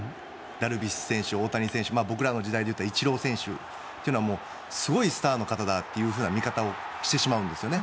ダルビッシュ選手、大谷選手僕らの時代で言ったらイチロー選手というのはすごいスターの方だという見方をしてしまうんですよね。